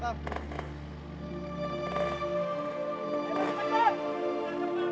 cari teman hati